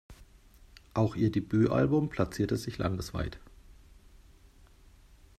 Auch ihr Debütalbum platzierte sich landesweit.